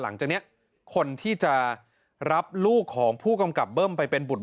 หลังจากนี้คนที่จะรับลูกของผู้กำกับเบิ้มไปเป็นบุตร